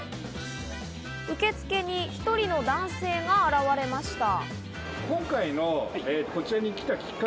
受付に１人の男性が現れました。